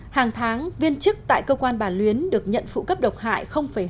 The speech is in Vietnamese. hàng tháng viên chức tại cơ quan bà luyến được nhận phụ cấp độc hại một